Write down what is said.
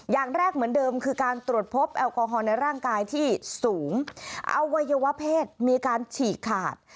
อย่างแรกเหมือนเดิมคือการตรวจพบแอลกอฮอลในร่างกายที่สูงอวัยวะเพศมีการฉีกขาด